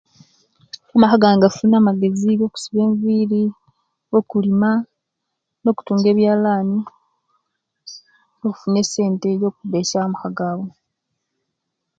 Amaka gange gafunire amagezi ago kusiba enziri, okulima, nokutunga ebyalani okufuna esente ejokubesya wo amaka gabu